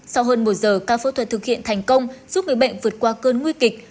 sau hơn một giờ ca phẫu thuật thực hiện thành công giúp người bệnh vượt qua cơn nguy kịch